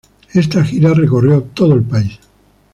Esta gira recorrió todo el país.